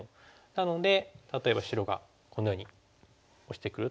なので例えば白がこのようにオシてくると。